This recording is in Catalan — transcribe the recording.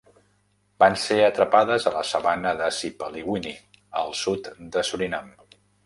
Van ser atrapades a la sabana de Sipaliwini al sud de Surinam.